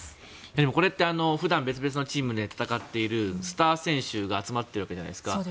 でもこれって普段、別々のチームで戦っているスター選手が集まっているわけじゃないですか。